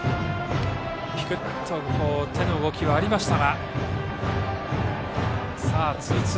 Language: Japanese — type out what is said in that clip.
ぴくっと手の動きはありました。